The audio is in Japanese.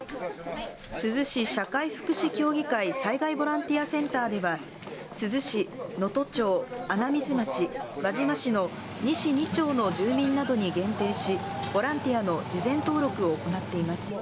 珠洲市社会福祉協議会災害ボランティアセンターでは、珠洲市、能登町、穴水町、輪島市の２市２町の住民などに限定し、ボランティアの事前登録を行っています。